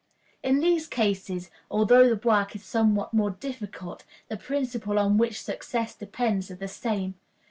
In these cases, although the work is somewhat more difficult, the principles on which success depends are the same.